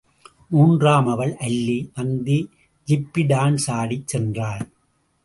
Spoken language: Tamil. மூன்றாமவள் அல்லி, வந்து ஜிப்பி டான்ஸ் ஆடிச் சென்றாள்.